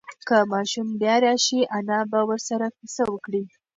که ماشوم بیا راشي، انا به ورسره قصه وکړي.